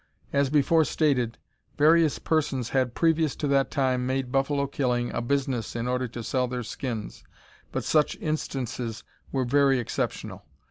As before stated, various persons had previous to that time made buffalo killing a business in order to sell their skins, but such instances were very exceptional.